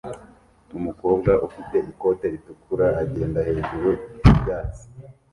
Umukobwa ufite ikote ritukura agenda hejuru y'ibyatsi